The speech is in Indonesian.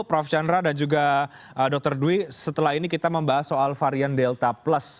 prof chandra dan juga dr dwi setelah ini kita membahas soal varian delta plus